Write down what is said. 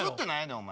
お前。